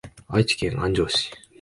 愛知県安城市